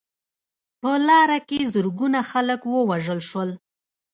په لاره کې زرګونه خلک ووژل شول.